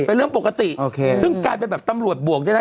เป็นเรื่องปกติซึ่งการเป็นแบบตำรวจบ่วงเนี่ยนะ